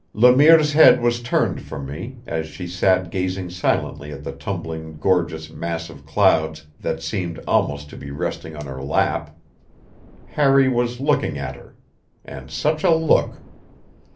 Le Mire's head was turned from me as she sat gazing silently at the tumbling, gorgeous mass of clouds that seemed almost to be resting on her lap; Harry was looking at her. And such a look!